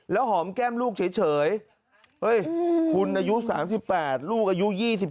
หอมแก้มลูกเฉยคุณอายุ๓๘ลูกอายุ๒๓